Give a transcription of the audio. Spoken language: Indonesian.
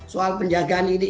soal penjagaan ini